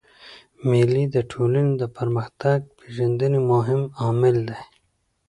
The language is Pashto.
مېلې د ټولني د فرهنګ پېژندني مهم عامل دئ.